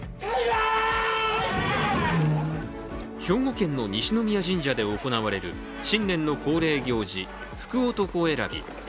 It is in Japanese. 兵庫県の西宮神社で行われる新年の恒例行事、福男選び。